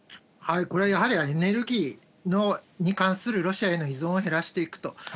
これはやはり、エネルギーに関するロシアへの依存を減らしていくと。